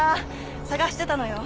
探してたのよ。